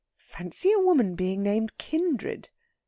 "Fancy a woman being named Kindred!"